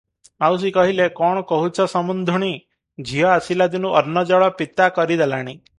ମାଉସୀ କହିଲେ, "କଣ କହୁଛ ସମୁନ୍ଧୁଣୀ, ଝିଅ ଆସିଲା ଦିନୁ ଅନ୍ନ ଜଳ ପିତା କରିଦେଲାଣି ।